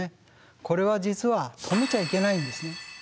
これは実は止めちゃいけないんですね。